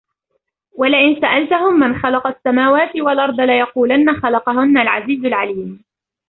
ولئن سألتهم من خلق السماوات والأرض ليقولن خلقهن العزيز العليم